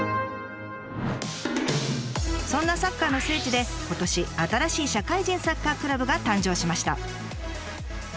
そんなサッカーの聖地で今年新しい社会人サッカークラブが誕生しました。